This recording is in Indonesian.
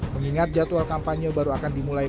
mengingat jadwal kampanye baru akan dimulai